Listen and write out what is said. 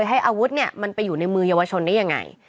ให้อาวุธมันไปอยู่ในมือเยาวชนได้ยังไง